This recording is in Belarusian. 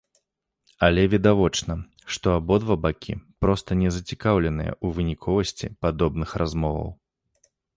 Але, відавочна, што абодва бакі проста не зацікаўленыя ў выніковасці падобных размоваў.